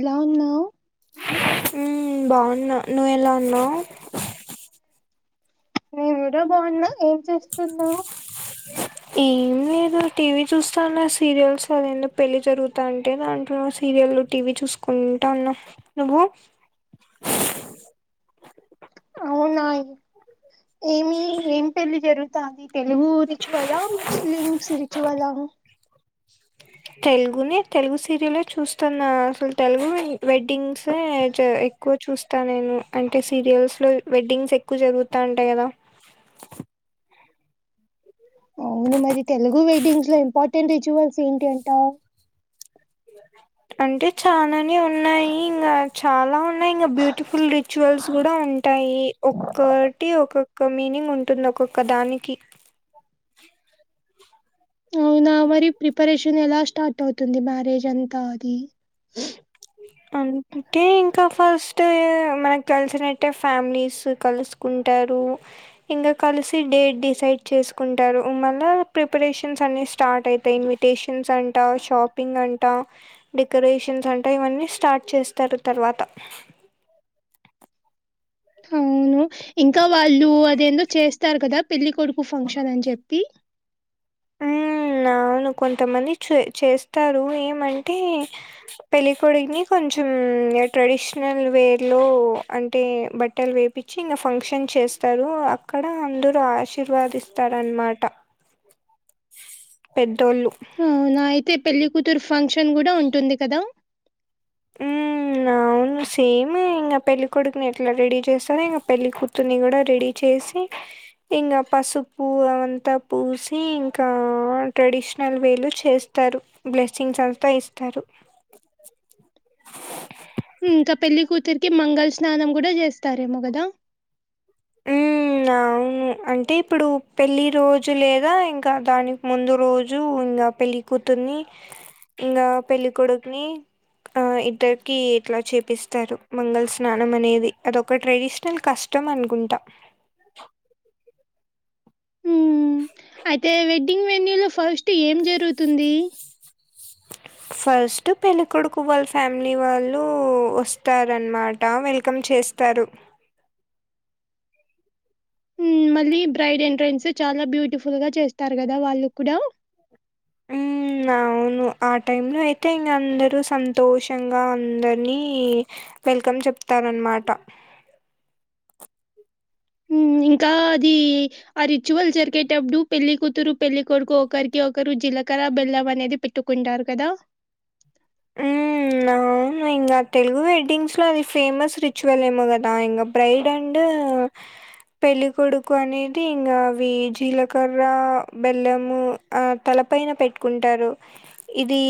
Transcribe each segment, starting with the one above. ఎలా ఉన్నవ్ ఉమ్ బావున్న నువ్వు ఎలా ఉన్నవ్ నేను ఎడ బావున్న ఏం చేస్తున్నావ్ ఏం లేదు టివీ చూస్తాన్న సీరియల్స్ అదేందో పెళ్ళి జరుగుతాంటే దంట్లొ సీరియల్ టివీ చూసుకుంటా ఉన్న నువ్వు అవునా ఏమి ఏం పెళ్ళి జరుగు తాంది తెలుగు రిచువలా ముస్లింస్ రిచువలా తెలుగునె తెలుగు సీరియలె చూస్తున్నా అసలు తెలుగు వెడ్డింగ్సె చ ఎక్ క్కువ చూస్తా నేను అంటే సీరియల్స్లో వెడ్డింగ్స్ ఎక్కువ జరుగుతాంటాయి గదా అవును మరి తెలుగు వెడ్డింగ్స్లో ఇంపార్టెంట్ రిచువల్స్ ఏంటి అంటావ్ అంటే చాననే ఉన్నాయి ఇంగ చాలా ఉన్నాయి ఇంగ బ్యూటిఫుల్ రిచువల్స్ గూడా ఉంటాయి ఒక్కటి ఒక్కొక్క మీనింగ్ ఉంటుంది ఒక్కొక్క దానికి అవునా మరి ప్రిపరేషన్ ఎలా స్టార్ట్ అవుతుంది మ్యారేజ్ అంతా అది అంటే ఇంకా ఫస్టే మనకు తేలిసినట్టే ఫ్యామిలీస్ కలుసు కుంటారు ఇంగ కలిసి డేట్ డిసైడ్ చేసుకుంటరు మళ్ళ ప్రిపరేషన్స్ అన్ని స్టార్ట్ అయితయ్ ఇం న్విటెషన్స్ అంటా షాపింగ్ అంటా డెకరేషన్స్ అం ట ఇవన్నీ స్టార్ట్ చేస్తారు తర్వాత అవును ఇంకా వాళ్ళు అదేందో చేస్తారు కదా పెళ్ళి కొడుకు ఫంక్షన్ అని చెప్పి మ్ అవును కొంతమంది చె చేస్తారు ఏమంటే పెళ్ళికొడుకుని కొంచెం ట్రెడిషనల్ వేలో అంటే బట్టలు వేప్ పించి ఇంగ ఫంక్షన్ చేస్తారు అక్కడ అందరు ఆశీర్వాదిస్తారు అనమాట పెద్దోళ్ళు అవునా అయితే పెళ్ళికూతురు ఫంక్షన్ గుడ ఉంటుంది కదా ఉమ్ ఆ అవును సేమ్ ఇంగ పెళ్ళికొడుకుని ఎట్ల రెడీ చేస్తారో ఇంగ పెళ్ళికుతుర్ని గూడ రెడీ చేసి ఇంగ పసుపు అవంతా పూసి ఇంకా ట్రెడిష్ నల్ వేలో చేస్తారు బ్లెస్సింగ్స్ అంతా ఇస్తారు మ్ ఇంక పెళ్ళికూతురికి మంగళ స్నానం గూడ చేస్తారేమో గదా మ్మ్ అవును అంటే ఇప్పుడు పెళ్ళి రోజు లేదా ఇంకా దానికి ముందు రోజు ఇంగ పెళ్ళి కుతుర్ని ఇంగా పెళ్ళికొడుకుని ఆ ఇద్దరికి ఇట్లా చేపిస్తారు మంగళ స్నానం అనేది అదొక ట్రెడిషనల్ కష్ ష్టం అనుకుంటా ఉ అయితే వెడ్డింగ్ వెన్యూలో ఫస్ట్ ఏం జరుగుతుంది ఫస్ట్ పెళ్లి కొడుకు వాళ్ళ ఫ్యామిలీ వాళ్ళు వస్తారనమాట వెల్కమ్ చేస్ తారు ఉ మళ్ళీ బ్రైడ్ ఎంట్రన్స్ చాలా బ్యూటిఫుల్గా చేస్తారు కదా వాళ్ళు కూడా ఉమ్ అ అవును ఆ టైంలో అయితే ఇంగా అందరూ సంతోషంగా అందరినీ వెల్కమ్ చెప్తారు అనమాట ఉమ్ ఇంకా అది ఆ రిచువల్ జరిగేటప్పుడు పెళ్లి కూతురు పెళ్లి కొడుకు ఒకరికి ఒకరు జీలకర బెల్ం అనేది పె ట్టుకుంటారు కదా ఉమ్ నా ఇంకా తెలుగు వెడ్డింగ్స్లో అది ఫేమస్ రిచ్యువల్ ఏమో కదా ఇంకా బ్రైడ్ అండ్ పెళ్లి కొడుకు అనేది ఇంకా అవి జీలకర్ర బెల్లము ఆ తలపైన పెట్టుకుంటారు ఇది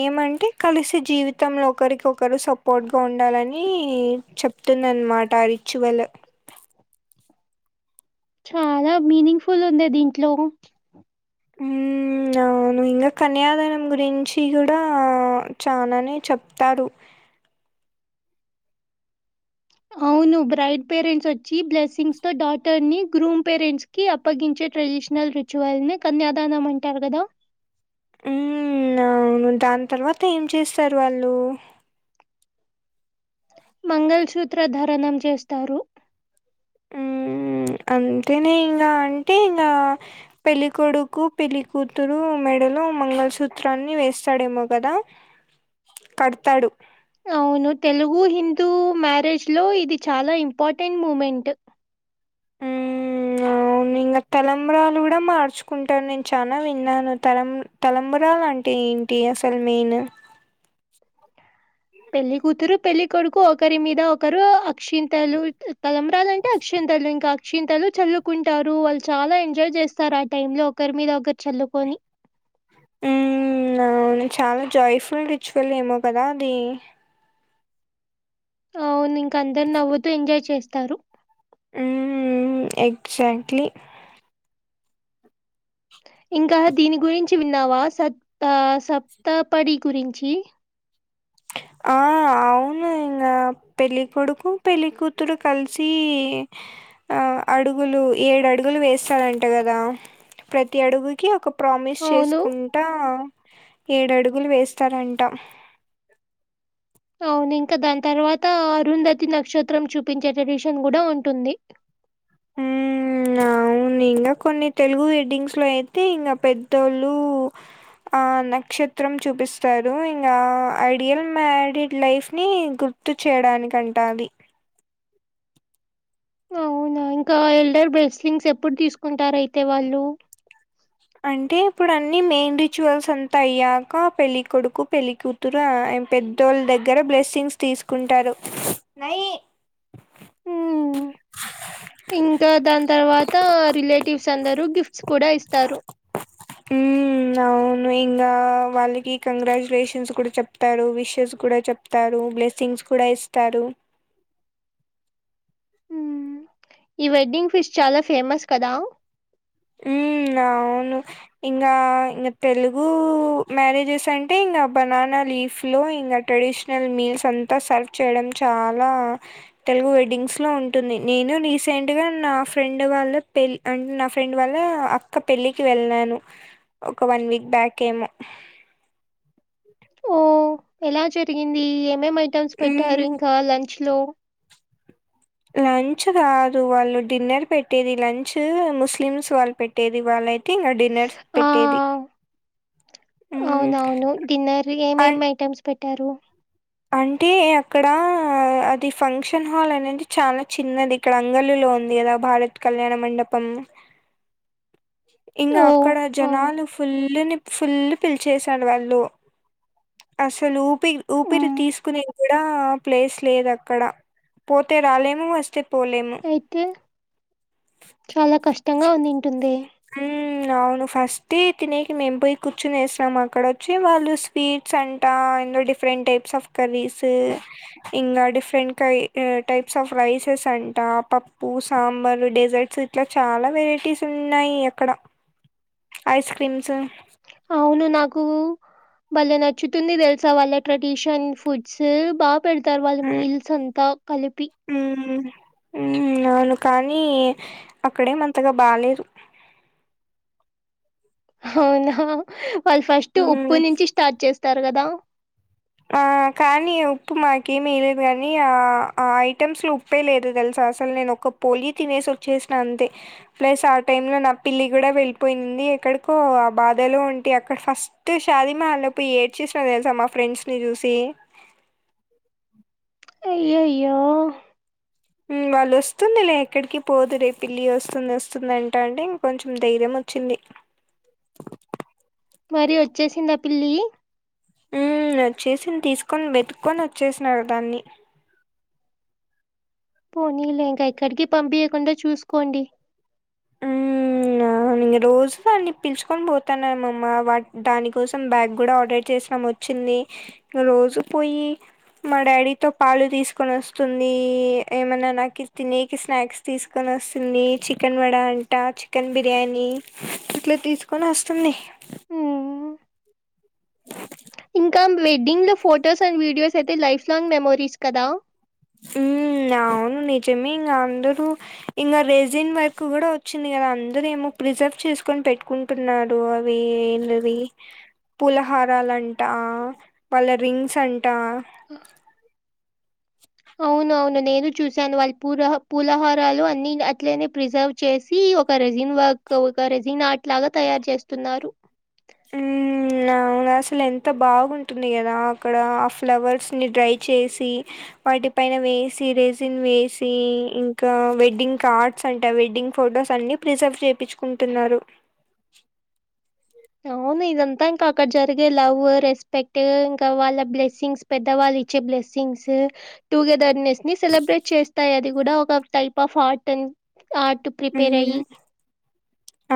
ఏమంట్ అంటే కలిసి జీవితంలో ఒకరిక ఒకరు సపోర్ట్ గా ఉండాలి అని చెప్తే టుందన్నమాట రిచ్యువల్ చాలా మీనింగ్ ఫుల్ ఉందే దీంట్లో ఉమ్ అవునా నువ్ ఇంకా కన్యాదానం గురించి కూడా చానానే చెప్తాడు అవును బ్రైడ్ పేరెంట్స్ వచ్చి బ్లెస్సింగ్స్ తో డాటర్ ని గ్రూమ్ పేరెంట్స్ కి అప్పగించే ట్రెడిషనల్ రిచువల్ని కన్యాదానం అంటారు కదా ఉమ్ అవును దాని తర్వాత ఏం చేస్తారు వాళ్ళు మంగళసూత్ర ధరనం చేస్తారు ఉమ్ అంతేనే ఇంకా అంటే ఇంగా పెళ్ళికొడుకు పెళ్ళికుతురు మెడలో మంగళసూత్రాన్ని వేస్తాడేమో కదా కడతాడు అవును తెలుగు హిందూ మ్యారేజ్ లో ఇది చాలా ఇంపార్టెంట్ మూమెంట్ ఆ అవును ఇంగా తలంబ్రాలు కూడా మార్చుకుంటాన్ నేను చాలా విన్నాను తలం తలంబ్రాలు అంటే ఏం టిఎస్ఎల్ మెయిన్ పెళ్లి కూతురు పెళ్ళ కొడుకు ఒకరి మీద ఒకరు అక్షింతలు తలంబ్రాలు అంటే అక్షింతలు ఇంకా అక్షింతలు చల్లుకుంటారు వాళ్ళు చాలా ఎంజాయ్ చేస్తారు ఆ టైమ్ లో ఒకరి మీద ఒకరు చల్లుకొని ఉమ్ అవును చాలా జాయ్ఫుల్ రిచువల్ ఏమో కదా అది అవును ఇంకా అందరు నవ్వుతూ ఎంజాయ్ చేస్తారు ఉమ్ ఉమ్ ఎగ్జాక్ట్లీ ఇంకా దీని గురించి విన్నావా సత్ సప్తపడి గురించి ఆ అవును ఇంగా పెళ్ళి కొడుకు పెళ్ళికూతురు కలిసి ఆ అడుగులు ఏడు అడుగులు వేస్తాడంట కదా ప్రతి అడుగుకి ఒక ప్రామిస్ అవును చేసుకుంటా ఏడు అడుగులు వేస్తారంట అవును ఇంకా దాని తర్వాత అరుంధతి నక్షత్రం చూపించే ట్రెడిషన్ కూడా ఉంటుంది ఉమ్ ఆ అవును ఇంగా కొన్ని తెలుగు ఎడ్డింగ్స్ లో అయితే ఇంకా పెద్దోళ్ళు ఆ నక్షత్రం చూపిస్తారు ఇంగా ఐడియల్ మ్యారీడ్ లైఫ్ ని గుర్తు చేయడానికంట అవి అవునా ఇంకా ఎల్డర్ బ్రెస్లింగ్స్ ఎప్పుడు తీసుకుంటారు అయితే వాళ్ళు అంటే ఇప్పుడు అన్ని మెయిన్ రిచువల్స్ అంతా అయ్యాక పెళ్ళి కొడుకు పెళ్ళికుతూరు తూర పెద్దోళ్ళ దగ్గర బ్లెస్సింగ్స్ తీసుకుంటారు మ్మ్. అ ఇంకా దాని తర్వాత రిలేటివ్స్ అందరు గిఫ్ట్స్ కూడా ఇస్తారు ఉమ్ అవును ఇంగా వాళ్ళకి కంగ్రాచ్యులేషన్స్ కూడా చెప్తారు విషెస్ కూడా చెప్ తారు బ్లెస్సింగ్స్ కూడా ఇస్తారు ఉమ్ ఈ వెడ్డింగ్ ఫిష్ చాలా ఫేమస్ కదా ఉమ్ అవును ఇంగా ఇంగా తెలుగు మ్యారేజెస్ అంటే ఇంగ బనానా లీఫ్లు ఇంగా ట్రెడిషనల్ మీల్స్ అంతా సర్వ్ చేయడం చాలా తెలుగు వెడ్డింగ్స్ లో ఉంటుంది నేను రీసెంట్ గా నా ఫ్రెండ్ వాళ్ళ పెళ్ అంటే నా ఫ్రెండ్ వాళ్ళ అక్క పెళ్ళికి వెళ్లాను ఒక వన్ వీక్ బ్యాక్ ఏమో ఓ ఎలా జరిగింది ఏమేం ఐటమ్స్ హ్మ్ పెట్టారు ఇంకా లంచ్ లో లంచ్ కాదు వాళ్ళు డిన్నర్ పెట్టేది లంచ్ ముస్లిమ్స్ వాళ్ళు పెట్ ట్టేది వాళ్ళు అయితే ఇంగ డిన్నర్స్ ఆ అవునవును డిన్నర్ హ్మ్ ఏమేం ఐటమ్స్ పెట్టారు అంటే అక్కడ అది ఫంక్షన్ హాల్ అనేది చాలా చిన్నది ఇక్కడ అంగల్లులో ఉంది కదా భారత్ కళ్యాణ మండపం ఇంగా ఓ అక్కడ ఆ జనాలు ఫుల్లుని ఫుల్లు పిలిచేశాడు వాళ్ళు అసలు ఊపి ఊపిరి మ్మ్. తీసుకునేది కూడా ప్లేస్ లేదు అక్కడ పోతే రాలేము వస్తే పోలేము అయితే చాలా కష్టంగా ఉందింటుందే అవును ఫస్ట్ తినేకి మేం పోయి కూర్చుని ఏసినాము అక్కడ వచ్చి వాళ్ళు స్వీట్ స్ అంటా డిఫరెంట్ టైప్స్ ఆఫ్ కర్రీస్ ఇంగా డిఫరెంట్ కై టైప్స్ ఆఫ్ రైసెస్ అంటా పప్పు సాంబార్ డెసర్ట్స్ ఇట్లా చాలా వెరైటీస్ ఉన్నాయి అక్కడ ఐస్ క్రీమ్స్ అవును నాకూ భలే నచ్చుతుంది తెలుసా వాళ్ళ ట్రెడిషన్ ఫుడ్స్ బా పెడతారు వాళ్ళు మీల్స్ అంతా కలిపి ఉమ్ హ్మ్ అవును కానీ అక్కడేమంతగా బాలేేదు అవునా వాళ్ళు ఫస్ట్ హ్మ్ ఉప్పు నుంచి స్టార్ట్ చేస్తారు కదా ఆ కానీ ఉప్పు మాకేమి ఇయ్యలేదు కానీ ఆ ఆ ఐటమ్స్ లో ఉ ఉప్పేలేదు తెలుసా అసలు నేను ఒక పోలి తినేసి వచ్చేసిన అంతే ప్లస్ ఆ టైంలో నా పిల్లి కూడా వెళ్ళిపోయింది ఎక్కడికో ఆ బాధలో ఉంటి అక్కడ ఫస్ట్ షాదీమహాల్లో పోయి ఏడ్చేసిన తెలుసా మా ఫ్రెండ్స్ ని చూసి అయ్యయ్యో ఉమ్ వాళ్ళు వస్తుంది లే ఎక్కడికి పోదులే పిల్లి వస్తుంది వస్తుంది అంట అంటే ఇంకొంచెం ధైర్యం వచ్చింది మరి వచ్చేసిందా ఆ పిల్లి ఉమ్ వచ్చేసింది తీసుకొని వెతుక్కోని వచ్చేసినాడు దాన్ని పోనీ లే ఇంకా ఎక్కడికి పంపియ్యాకుండా చూసుకోండి ఉమ్ ఔను రోజు దాన్ని పిలుచుకొని పోతున్నాం అమ్మమ్మ వా దాని కోసం బ్యాగ్ కూడా ఆర్డర్ చేసినాము చింది రోజు పోయి మా డాడీతో పాలు తీసుకొని వస్తుంది ఏమన్నా నాకు తినేకి స్నాక్స్ తీసుకొని వస్తుంది చికెన్ వడ అంటా చికెన్ బి బిర్యానీ ఇట్లా తీసుకొని వస్తుంది మ్మ్. ఇంకా వెడ్డింగ్ లో ఫొటోస్ అండ్ వీడియోస్ అయితే లైఫ్ లాంగ్ మెమోరీస్ కదా ఉమ్ అవును నిజమే ఇంగా అందరూ ఇంగా రేజిన్ వరకు కూడా వచ్చింది కదా అందరు ఏమో ప్రిజర్వ్ చేసుకొని పెట్టుకుం ఇప్పుడు నాది అది మరి పులహారాలంట వాళ్ళ రింగ్స్ అంట అవును అవును నేను చూశాను వాళ్ళు పూల పూలహారాలు అన్ని అట్లనే ప్రిజర్వ్ చేసి ఒక రెజన్ వర్క్ తో ఒక రెజిన్ ఆట్ లాగా తయారు చేస్తున్నారు ఊమ్ నవునా అసలెంత బాగుంటుంది కదా అక్కడ ఆ ఫ్లవర్స్ని డ్రై చేసి వాటి పైన వేసి రెసిన్ వేసి ఇంకా వెడ్డింగ్ కార్డ్ సంట వెడ్డింగ్ ఫొటోస్ అన్ని ప్రిజర్వ్ చేపిచ్చు కుంటున్నారు అవును ఇదంతా ఇంకా అక్కడ జరిగే లవ్ రెస్పెక్ట్ ఇంకా వాళ్ళ బ్లెస్సింగ్స్ పెద్దవాల్లిచ్చే బ్లెస్సింగ్స్ టుగెదర్ నెస్ ని సెలబ్రేట్ చేస్తాయది కూడా ఒక type of art um art prepare um అయ్యి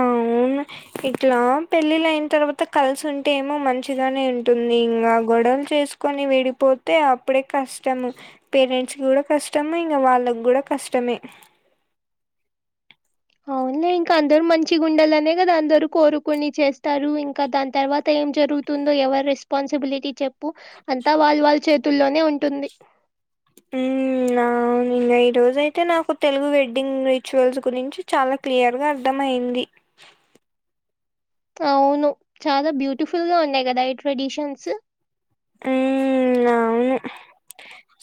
అవును ఇట్లా పెళ్ళిళ్ళయిన తర్వాత కలిసు ఉంటే ఏమో మంచిగనే ఉంటుందింగా గొడవలు చేసు కొని విడిపోతే అప్పుడే కష్టము పేరెంట్స్కి కూడా కష్టమే ఇంగ వాళ్ళకి కూడా కష్టమే అవునులే ఇంకా అందరూ మంచిగుండాలనే కదా అందరూ కోరుకుని చేస్తారు ఇంకా దాని తర్వాత ఏం జరుగు తుందో ఎవరి రెస్పాన్సిబిలిటీ చెప్పు అంతా వాల్లు వాల్ చేతుల్లోనే ఉంటుంది ఉమ్ నా అవును ఇంగా ఈ రోజయితే నాకు తెలుగు వెడ్డింగ్ రిచువల్స్ గురించి చాలా క్లియర్ గా అర్థం అయింది అవును చాలా బ్యూటిఫుల్ గా ఉన్నాయి కదా ఈ ట్రెడిషన్స్ ఉమ్ అవును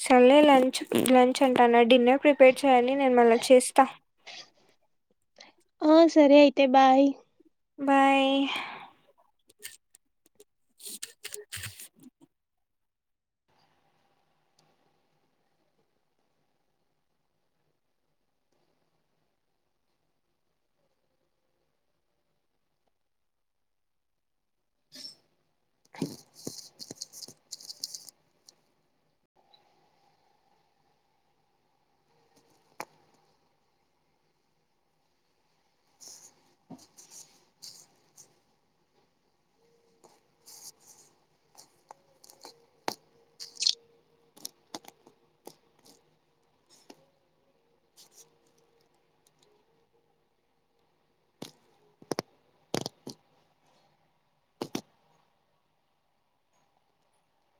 సర్లే లంచ్ లంచ్ అంటన్న డిన్నర్ ప్రిపేర్ చేయ్యాలి నేను మళ్ళ చేస్త ఏ సరే అయితే బాయ్ బాయి